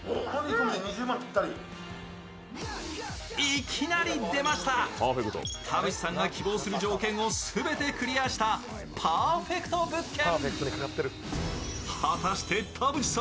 いきなり出ました、田渕さんの希望する条件を全てクリアしたパーフェクト物件。